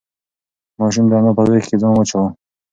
ماشوم د انا په غېږ کې ځان واچاوه.